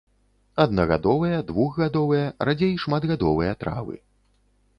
Аднагадовыя, двухгадовыя, радзей шматгадовыя травы.